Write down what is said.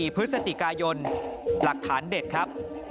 พฤศจิกายนหลักฐานเด็ดครับ